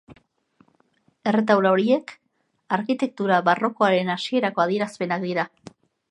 Erretaula horiek arkitektura barrokoaren hasierako adierazpenak dira.